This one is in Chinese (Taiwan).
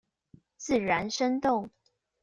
自然生動